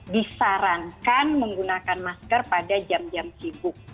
disarankan menggunakan masker pada jam jam sibuk